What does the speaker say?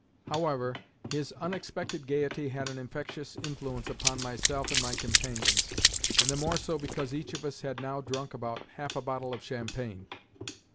However, his unexpected gaiety had an infectious influence upon myself and my companions, and the more so because each of us had now drunk about half a bottle of champagne.